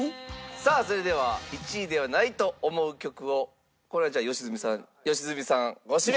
さあそれでは１位ではないと思う曲をこれはじゃあ良純さん良純さんご指名ください。